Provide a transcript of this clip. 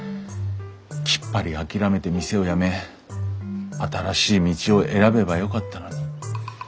きっぱり諦めて店を辞め新しい道を選べばよかったのに。